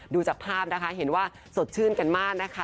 ดูจากภาพนะคะเห็นว่าสดชื่นกันมากนะคะ